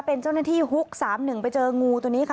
เป็นเจ้าหน้าที่ฮุก๓๑ไปเจองูตัวนี้ค่ะ